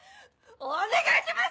お願いします！